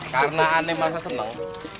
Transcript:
karena aneh masa seneng